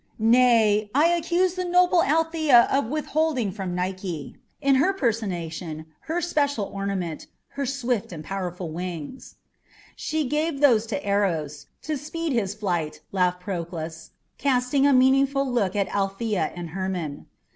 Nay, I accuse the noble Althea of withholding from Nike, in her personation, her special ornament her swift, powerful wings." "She gave those to Eros, to speed his flight," laughed Proclus, casting a meaning look at Althea and Hermon.